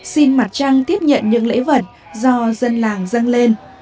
xin mặt trăng tiếp nhận những lễ vật do dân làng dâng lên